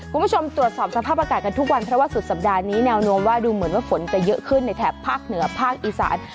คุณผู้ชมตรวจสอบสภาพอากาศกันทุกวันเพราะว่าสุดสัปดาห์นี้แนวโน้มว่าดูเหมือนว่าฝนจะเยอะขึ้นในแถบภาคเหนือภาคอีสาน